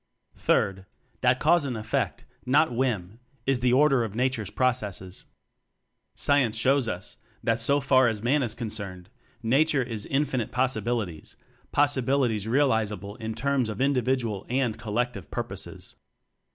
Third: That cause and effect, not whim, is the order of Nature's pro cesses. Science shows us that, so far as Man is concerned, Nature is infinite poten tialities; potentialities realizable in terms of individual and collective pur poses.